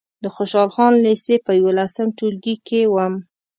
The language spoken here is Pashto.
د خوشحال خان لېسې په یولسم ټولګي کې وم.